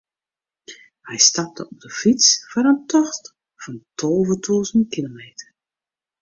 Hy stapte op de fyts foar in tocht fan tolve tûzen kilometer.